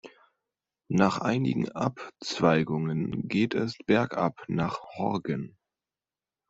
Nach einigen Abzweigungen geht es bergab nach Horgen.